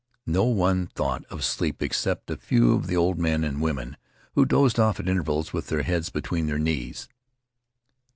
No one thought of sleep except a few of the old men and women, who dozed off at intervals with their heads between their knees.